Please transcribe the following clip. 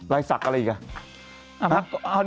ไลน์ศักดิ์อะไรอีกอะ